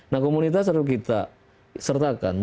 nah komunitas harus kita sertakan